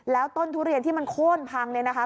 แล้วต้นทุเรียนที่มันโค้นพังเนี่ยนะคะ